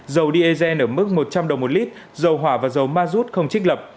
dầu diesel ở mức một trăm linh đồng một lít dầu hỏa và dầu ma rút không trích lập